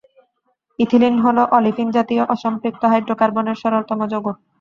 Ethylene হলো olefin জাতীয় অসম্পৃক্ত হাইড্রোকার্বনের সরলতম যৌগ।